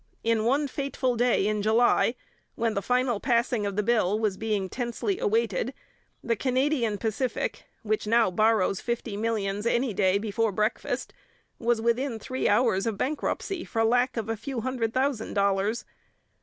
In one fateful day in July, when the final passing of the bill was being tensely awaited, the Canadian Pacific, which now borrows fifty millions any day before breakfast, was within three hours of bankruptcy for lack of a few hundred thousand dollars.